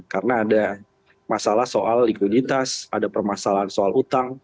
karena ada masalah soal likuiditas ada permasalahan soal utang